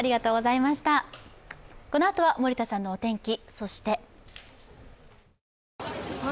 このあとは森田さんのお天気。